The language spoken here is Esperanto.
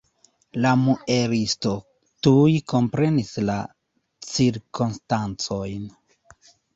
La muelisto tuj komprenis la cirkonstancojn.